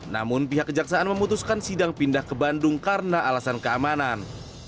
namun pihak kejaksaan memutuskan sidang pindah ke bandung karena alasan keamanan